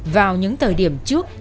vào những thời điểm trước